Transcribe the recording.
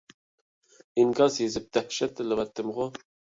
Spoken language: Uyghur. ئىنكاس يېزىپ دەھشەت تىللىۋەتتىمغۇ!